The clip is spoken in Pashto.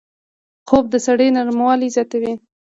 خوب د سړي نرموالی زیاتوي